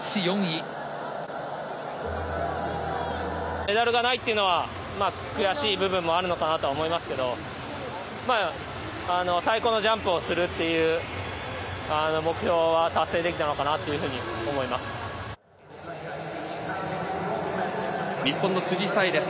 メダルがないというのは悔しい部分もあるのかなと思いますけど最高のジャンプをするっていう目標は達成できたのかな日本の辻沙絵です。